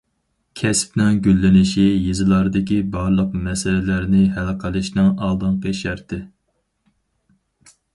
كەسىپنىڭ گۈللىنىشى يېزىلاردىكى بارلىق مەسىلىلەرنى ھەل قىلىشنىڭ ئالدىنقى شەرتى.